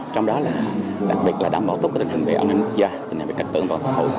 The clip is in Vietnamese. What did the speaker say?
trong đó là đặc biệt là đảm bảo tốt tình hình về an ninh quốc gia tình hình về trật tự an toàn xã hội